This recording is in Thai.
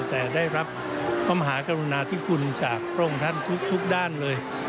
แต่ได้รับพระมหากรุณาธิคุณจากพระองค์ท่านทุกด้านเลย